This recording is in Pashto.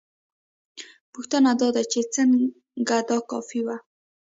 پوښتنه دا ده چې څنګه دا کافي وه؟